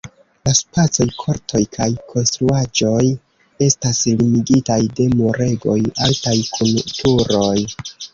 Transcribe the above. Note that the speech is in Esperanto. La spacoj, kortoj kaj konstruaĵoj estas limigitaj de muregoj altaj kun turoj.